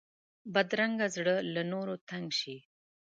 بدرنګه زړه له نورو تنګ شي